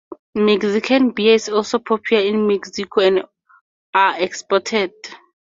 Mexican beer is also popular in Mexico and are exported.